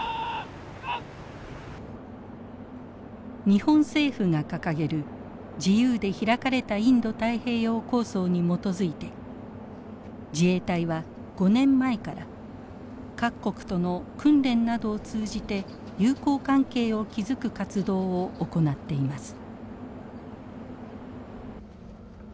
日本政府が掲げる「自由で開かれたインド太平洋」構想に基づいて自衛隊は５年前から各国との訓練などを通じて友好関係を築く活動を行っています。